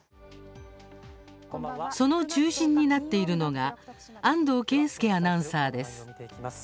その中心になっているのが安藤佳祐アナウンサーです。